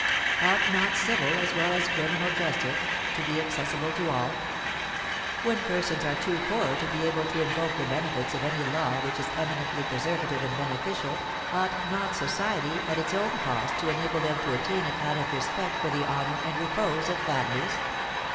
Ought not civil as well as criminal justice to be accessible to all? When persons are too poor to be able to invoke the benefits of any law which is eminently preservative and beneficial, ought not society at its own cost to enable them to attain it out of respect for the honour and repose of families?